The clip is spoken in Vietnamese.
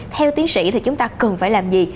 theo tiến sĩ thì chúng ta cần phải làm gì